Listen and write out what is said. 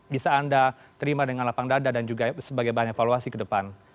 bisa anda terima dengan lapang dada dan juga sebagai bahan evaluasi ke depan